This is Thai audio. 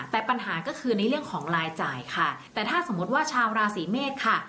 แต่ปัญหาก็คือในเรื่องของรายจ่ายค่ะแต่ถ้าสมมติว่าชาวราศีเมษค่ะ